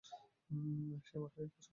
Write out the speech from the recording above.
সে আমার হইয়া কাজকর্ম করিবে।